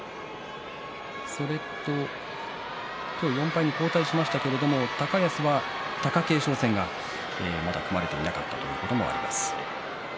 今日、４敗に後退しましたけれど高安が貴景勝戦がまだ組まれていなかったということもあります。